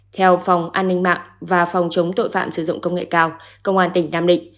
theo phòng an ninh mạng và phòng chống tội phạm sử dụng công nghệ cao công an tỉnh nam định